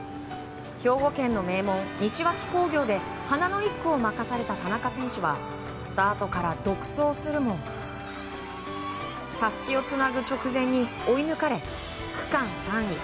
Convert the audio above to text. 兵庫県の名門・西脇工業で華の１区を任された田中選手はスタートから独走するもたすきをつなぐ直前に追い抜かれ、区間３位。